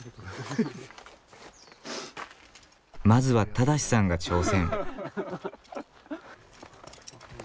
まずは正さんが挑戦。